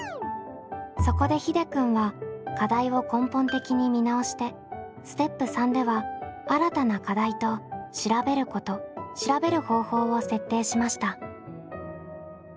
そこでひでくんは課題を根本的に見直してステップ３では新たな課題と調べること調べる方法を設定しました。